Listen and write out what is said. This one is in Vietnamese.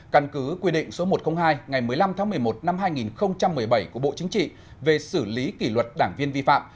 căn cứ quy định số một trăm linh hai ngày một mươi năm tháng một mươi một năm hai nghìn một mươi bảy của bộ chính trị về xử lý kỷ luật đảng viên vi phạm